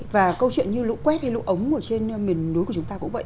và câu chuyện như lũ quét hay lũ ống ở trên miền núi của chúng ta cũng vậy